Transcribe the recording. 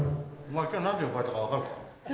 今日何で呼ばれたか分かるか？